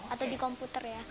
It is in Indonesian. atau di komputer ya